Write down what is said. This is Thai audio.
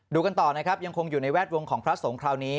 กันต่อนะครับยังคงอยู่ในแวดวงของพระสงฆ์คราวนี้